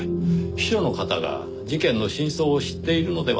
秘書の方が事件の真相を知っているのではないかと思い